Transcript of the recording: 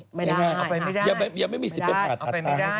อเจมส์ไม่ได้ค่ะไม่ได้เอาไปไม่ได้